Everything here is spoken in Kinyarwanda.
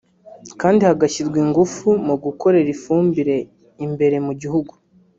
kandi hagashyirwa ingufu mu gukorera ifumbire imbere mu gihugu